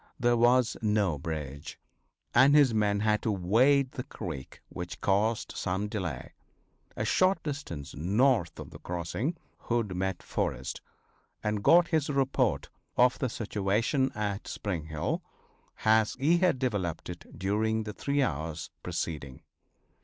There was no bridge, and his men had to wade the creek, which caused some delay. A short distance north of the crossing Hood met Forrest, and got his report of the situation at Spring Hill as he had developed it during the three hours preceding.